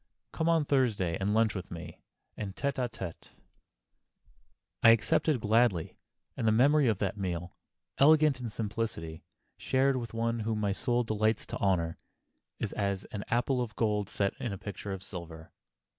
Come on Thursday, and lunch with me, en tête à tête." I accepted gladly, and the memory of that meal, elegant in simplicity, shared with one whom my soul delights to honor, is as an apple of gold set in a picture of silver.